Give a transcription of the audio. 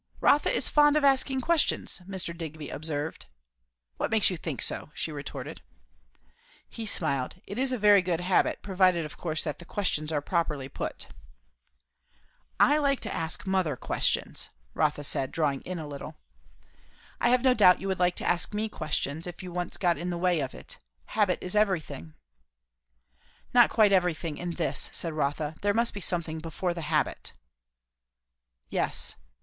"Rotha is fond of asking questions," Mr. Digby observed. "What makes you think so?" she retorted. He smiled. "It is a very good habit provided of course that the questions are properly put." "I like to ask mother questions," Rotha said, drawing in a little. "I have no doubt you would like to ask me questions, if you once got into the way of it. Habit is everything." "Not quite everything, in this," said Rotha. "There must be something before the habit." "Yes.